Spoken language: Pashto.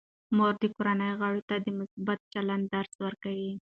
مور د کورنۍ غړو ته د مثبت چلند درس ورکوي.